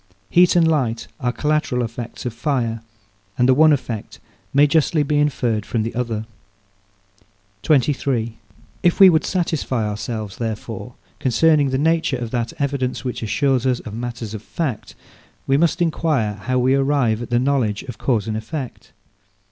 Heat and light are collateral effects of fire, and the one effect may justly be inferred from the other. 23. If we would satisfy ourselves, therefore, concerning the nature of that evidence, which assures us of matters of fact, we must enquire how we arrive at the knowledge of cause and effect.